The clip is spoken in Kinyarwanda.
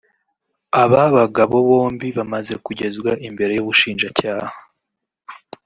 aba bagabo bombi bamaze kugezwa imbere y’ubushinjacyaha